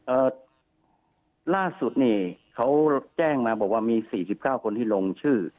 เอ่อล่าสุดนี่เขาแจ้งมาบอกว่ามี๔๙คนที่ลงชื่อ